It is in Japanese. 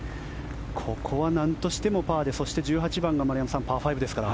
ここはなんとしてもパーでそして１８番が丸山さんパー５ですから。